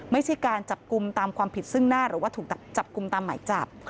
ไม่ใช่การจับกลุ่มตามความผิดซึ่งหน้าหรือว่าถูกจับกลุ่มตามหมายจับ